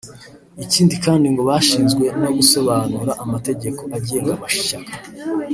Ikindi kandi ngo bashinzwe no gusobanura amategeko agenga amashyaka